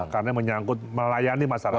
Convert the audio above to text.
karena menyangkut melayani masyarakat